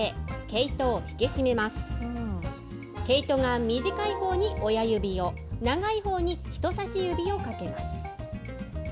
毛糸が短いほうに親指を、長いほうに人さし指をかけます。